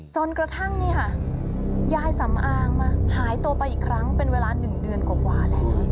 จนกระทั่งนี่ค่ะยายสำอางมาหายตัวไปอีกครั้งเป็นเวลา๑เดือนกว่าแล้ว